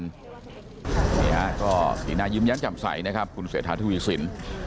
นี่ฮะก็สีนายืมยั้นจำใสนะครับคุณเศรษฐธุวิสิน